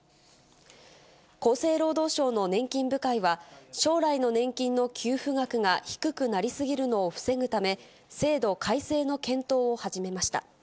厚生労働省の年金部会は、将来の年金の給付額が低くなりすぎるのを防ぐため、制度改正の検討を始めました。